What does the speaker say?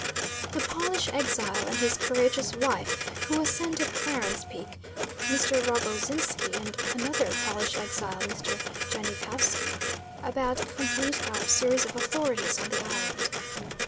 The Polish exile and his courageous wife who ascended Clarence Peak, Mr. Rogoszinsky, and another Polish exile, Mr. Janikowski, about complete our series of authorities on the island.